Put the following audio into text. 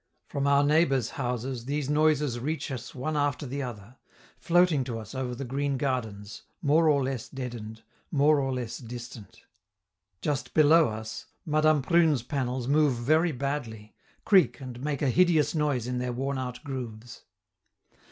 From our neighbor's houses these noises reach us one after the other, floating to us over the green gardens, more or less deadened, more or less distant. Just below us, Madame Prune's panels move very badly, creak and make a hideous noise in their wornout grooves.